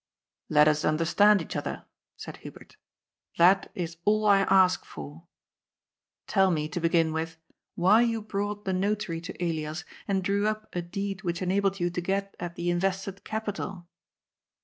^^ Let us understand each other," said Hubert. *' That is all I ask for. Tell me, to begin with, why you brought the Notary to Elias and drew up a deed which enabled you to get at the invested capital."